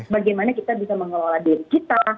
bagaimana kita bisa mengelola diri kita